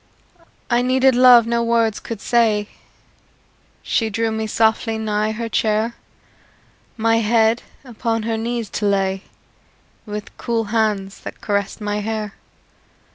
I needed love no words could say; She drew me softly nigh her chair, My head upon her knees to lay, With cool hands that caressed my hair.